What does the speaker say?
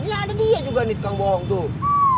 ini ada dia juga nih tukang bohong tuh